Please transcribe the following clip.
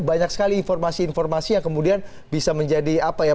banyak sekali informasi informasi yang kemudian bisa menjadi apa ya